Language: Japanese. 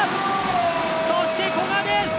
そして古賀です！